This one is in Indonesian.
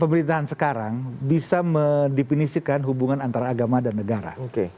pemerintahan sekarang bisa mendefinisikan hubungan antara agama dan negara